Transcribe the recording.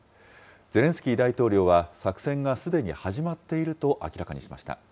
ゼレンスキー大統領は、作戦がすでに始まっていると明らかにしました。